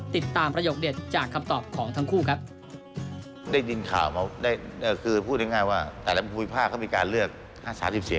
ประโยคเด็ดจากคำตอบของทั้งคู่ครับ